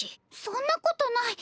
そんなことない。